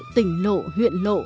tỉnh lộ huyện lộ